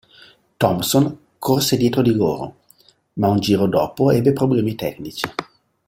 Thompson corse dietro di loro, ma un giro dopo ebbe problemi tecnici.